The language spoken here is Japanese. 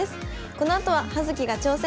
このあとは「葉月が挑戦！」。